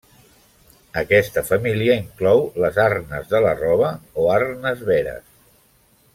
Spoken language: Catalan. Aquesta família inclou les arnes de la roba o arnes veres.